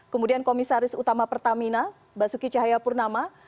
kemudian komisaris utama pertamina basuki cahayapurnama